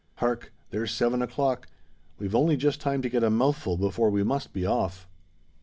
Hark! there's seven o'clock: we've only just time to get a mouthful before we must be off."